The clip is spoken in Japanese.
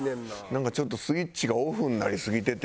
なんかちょっとスイッチがオフになりすぎてて。